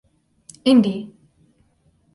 Indy.